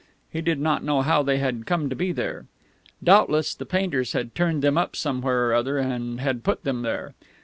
He did not know how they had come to be there. Doubtless the painters had turned them up somewhere or other, and had put them there.